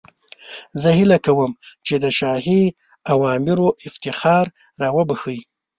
زه هیله کوم چې د شاهي اوامرو افتخار را وبخښئ.